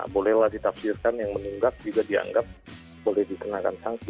bolehlah ditafsirkan yang menunggak juga dianggap boleh dikenakan sanksi